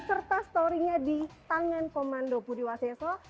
serta story nya di tangan komando budi waseso